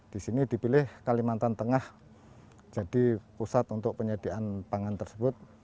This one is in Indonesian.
di sini dipilih kalimantan tengah jadi pusat untuk penyediaan pangan tersebut